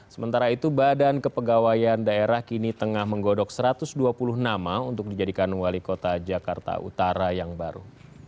sementara itu badan kepegawaian daerah kini tengah menggodok satu ratus dua puluh nama untuk dijadikan wali kota jakarta utara yang baru